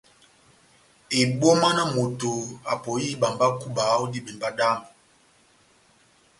Ebóma na moto apɔhi ihíba mba kúba ó dibembá dami !